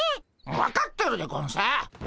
分かってるでゴンス。